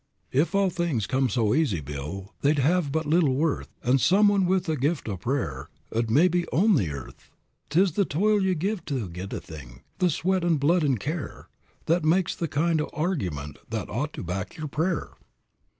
"If all things come so easy, Bill, they'd hev but little worth, An' some one with a gift o' prayer 'u'd mebbe own the earth. It's the toil ye give t' git a thing the sweat an' blood an' care That makes the kind o' argument that ought to back yer prayer."